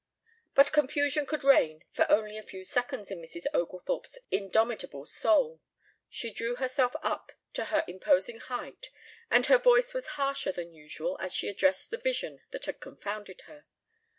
But confusion could reign for only a few seconds in Mrs. Oglethorpe's indomitable soul. She drew herself up to her imposing height, and her voice was harsher than usual as she addressed the vision that had confounded her.